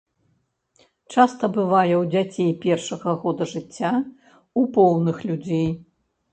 Часта бывае ў дзяцей першага года жыцця, у поўных людзей.